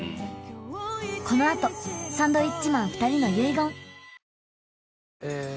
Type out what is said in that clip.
このあとサンドウィッチマン２人の結言え